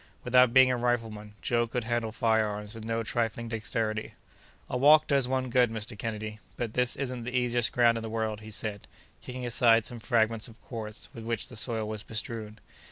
Without being a rifleman, Joe could handle fire arms with no trifling dexterity. "A walk does one good, Mr. Kennedy, but this isn't the easiest ground in the world," he said, kicking aside some fragments of quartz with which the soil was bestrewn.